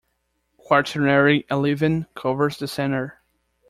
Quaternary alluvium covers the center.